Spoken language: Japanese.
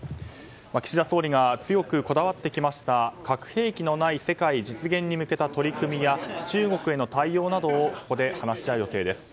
岸田総理が強くこだわってきました核兵器のない世界実現に向けた取り組みや中国への対応などをここで話し合う予定です。